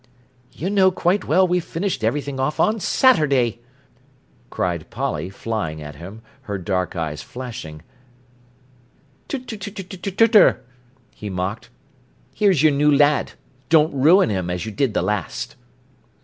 "You know quite well we finished everything off on Saturday!" cried Polly, flying at him, her dark eyes flashing. "Tu tu tu tu terterter!" he mocked. "Here's your new lad. Don't ruin him as you did the last."